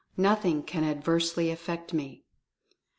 Nothing can adversely affect me.